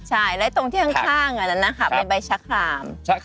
ใช่แล้วตรงที่ข้างอันนั้นนะคะเป็นใบชะคราม